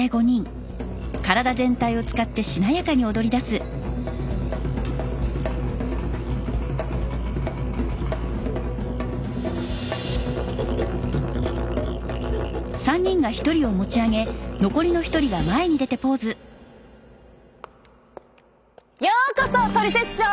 ようこそ「トリセツショー」へ！